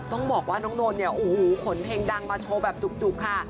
ต้องบอกว่าน้องนนท์เนี่ยโอ้โหขนเพลงดังมาโชว์แบบจุกค่ะ